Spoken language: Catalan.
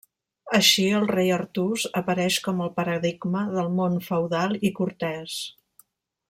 Així, el rei Artús apareix com el paradigma del món feudal i cortès.